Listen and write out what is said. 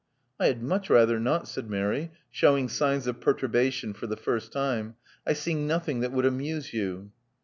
'* I had much rather not," said Mary, shewing signs of perturbation for the first time. I sing nothing that would amuse you."